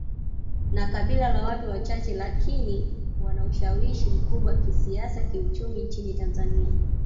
Ni kabila la watu wachache lakini wana ushawishi mkubwa kisiasa kiuchumi nchini Tanzania